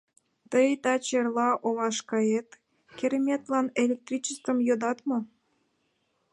Тый таче-эрла олаш кает, кереметлан электричествым йодат мо?